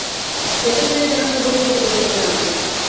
পেছন ফিরে যেন সেবকদের কৃতজ্ঞতা জানানো।